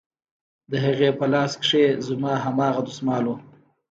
د هغې په لاس کښې زما هماغه دسمال و.